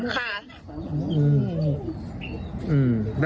ค่ะ